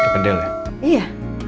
kedel ya iya